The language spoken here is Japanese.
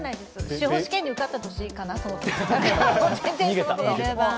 司法試験に受かった年かな、そのころ。